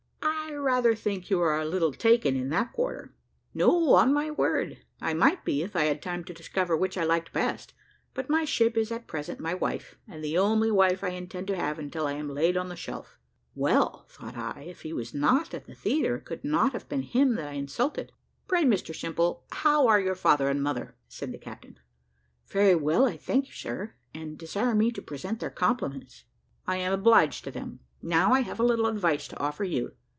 "I rather think you are a little taken in that quarter." "No, on my word! I might be, if I had time to discover which I liked best; but my ship is at present my wife, and the only wife I intend to have until I am laid on the shelf." Well, thought I, if he was not at the theatre, it could not have been him that I insulted. "Pray, Mr Simple, how are your father and mother?" said the captain. "Very well, I thank you, sir, and desire me to present their compliments." "I am obliged to them. Now I have a little advice to offer you.